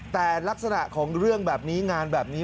แต่ลักษณะของเรื่องแบบนี้งานแบบนี้